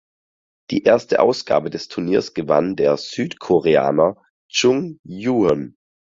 Die erste Ausgabe des Turniers gewann der Südkoreaner Chung Hyeon.